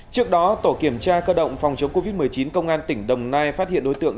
trước đó tổ kiểm tra cơ động phòng chống covid một mươi chín công an tỉnh đồng nai phát hiện đối tượng